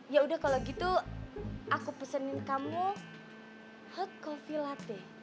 ya udah kalau gitu aku pesenin kamu hot coffee latte